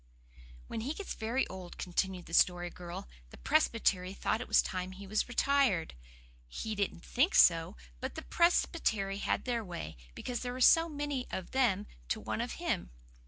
"When he gets very old," continued the Story Girl, "the Presbytery thought it was time he was retired. HE didn't think so; but the Presbytery had their way, because there were so many of them to one of him.